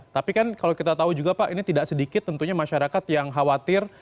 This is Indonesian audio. tapi kan kalau kita tahu juga pak ini tidak sedikit tentunya masyarakat yang khawatir